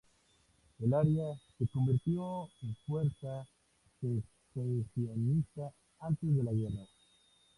El área se convirtió en fuerza secesionistas antes de la guerra.